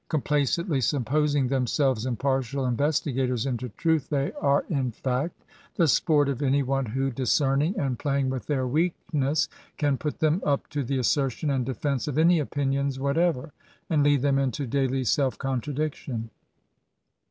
Complacently supposing them* 9elves impartial investigators into truth, they are. 214 in tact, the sport of any one who^ diBceniing and playing with their weakness^ can put them up to the assertion and defence of any opinions what erer^ and lead them into daily self contradiction.